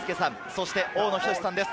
そして大野均さんです。